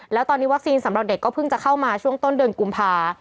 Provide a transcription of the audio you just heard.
แล้วตอนนี้วัคซีนสำหรับเด็กก็เพิ่งจะเข้ามาช่วงต้นเดือนกุมภา